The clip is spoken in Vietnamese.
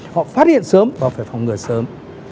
họ phát hiện sớm và phải phòng ngừa sớm